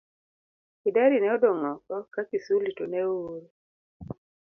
Kidari ne odong' oko ka Kisuli to ne oor.